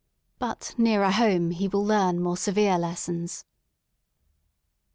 But nearer home he will learn more severe lessons.